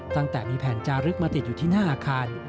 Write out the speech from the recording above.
ตั้งแต่มีแผ่นจารึกมาติดอยู่ที่หน้าอาคาร